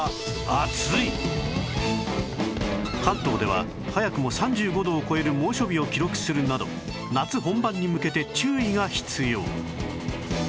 関東では早くも３５度を超える猛暑日を記録するなど夏本番に向けて注意が必要